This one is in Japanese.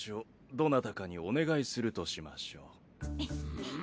どなたかにお願いするとしましょう。